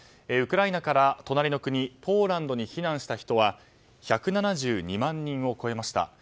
ウクライナから隣の国ポーランドに避難した人は１７２万人を超えました。